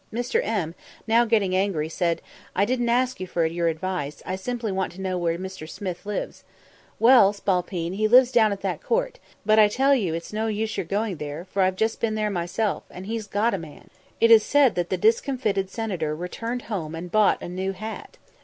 Mr. M , now getting angry, said, "I don't ask you for your advice, I simply want to know where Mr. 'Smith' lives." "Well, spalpeen, he lives down that court; but I tell ye it's no use your going there, for I've just been there myself, and he's got a man." It is said that the discomfited senator returned home and bought a _new hat!